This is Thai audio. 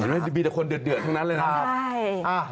อ๋อไม่ว่าจะมีคนเดือดทั้งนั้นเลยนะครับ